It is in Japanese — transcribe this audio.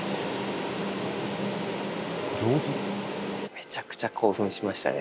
めちゃくちゃ興奮しましたね。